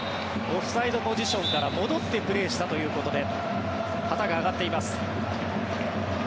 オフサイドポジションから戻ってプレーしたということで旗が上がっています。